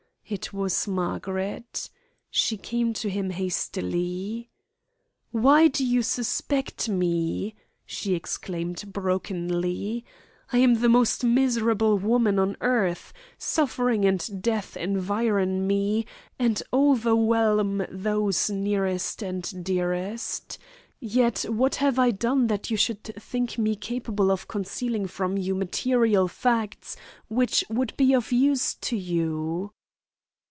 It was Margaret. She came to him hastily "Why do you suspect me?" she exclaimed brokenly. "I am the most miserable woman on earth. Suffering and death environ me, and overwhelm those nearest and dearest. Yet what have I done that you should think me capable of concealing from you material facts which would be of use to you?"